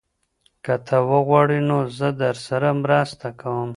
که ته وغواړې نو زه درسره مرسته کوم.